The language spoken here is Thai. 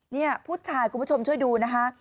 นี่ผู้ชายคุณผู้ชมช่วยดูนะคะ